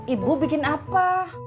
ibu bikin apa